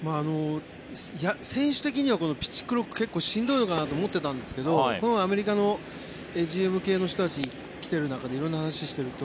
選手的にはピッチクロックしんどいのかなって思ってたんですがアメリカのＧＭ系の人が来ている中で色々話をしていると